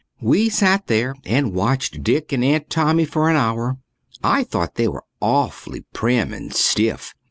We sat there and watched Dick and Aunt Tommy for an hour. I thought they were awfully prim and stiff.